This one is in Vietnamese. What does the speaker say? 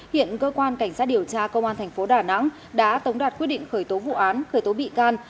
hiện cơ quan cảnh sát điều tra công an thành phố đà nẵng đã tống đạt quyết định khởi tố vụ án khởi tố bị can